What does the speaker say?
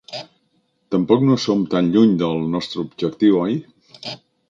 Tampoc no som tan lluny del nostre objectiu, oi?